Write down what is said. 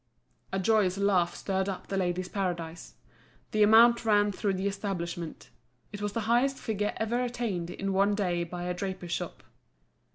A joyous laugh stirred up The Ladies' Paradise. The amount ran through the establishment. It was the highest figure ever attained in one day by a draper's shop.